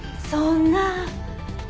そんな。